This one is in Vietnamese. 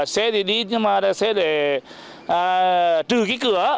xe thì đi nhưng mà là xe để trừ cái cửa